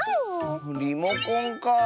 リモコンかあ。